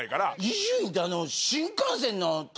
伊集院って。